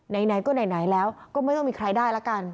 ไหนก็ไหนแล้วก็ไม่ต้องมีใครได้ละกัน